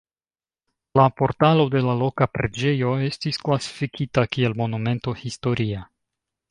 La portalo de la loka preĝejo estis klasifikita kiel Monumento historia.